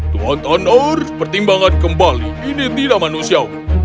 tuan thunders pertimbangan kembali ini tidak manusia